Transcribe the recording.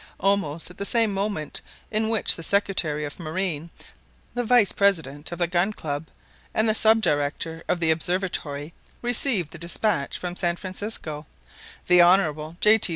Almost at the same moment in which the Secretary of Marine, the vice president of the Gun Club, and the sub director of the Observatory received the dispatch from San Francisco, the Honorable J. T.